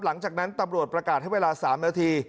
หลังจากนั้นตำรวจประกาศให้เวลา๓นาที